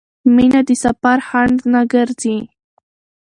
مینه د سفر خنډ نه ګرځي.